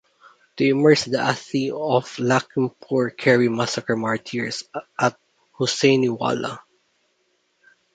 To immerse the asthi of Lakhimpur Kheri massacre martyrs at Husainiwala.